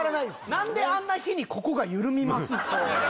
何であんな日にここが緩みますの？